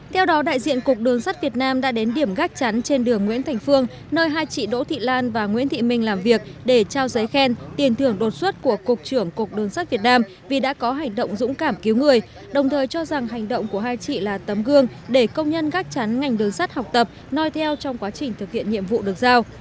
theo đó đại diện cục đường sắt việt nam đã đến điểm gác chắn trên đường nguyễn thành phương nơi hai chị đỗ thị lan và nguyễn thị minh làm việc để trao giấy khen tiền thưởng đột xuất của cục trưởng cục đường sắt việt nam vì đã có hành động dũng cảm cứu người đồng thời cho rằng hành động của hai chị là tấm gương để công nhân gác chắn ngành đường sắt học tập nói theo trong quá trình thực hiện nhiệm vụ được giao